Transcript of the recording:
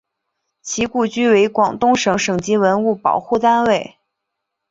其故居为广东省省级文物保护单位。